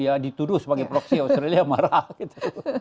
ya dituduh sebagai proxy australia marah gitu